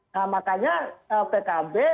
nah makanya pkb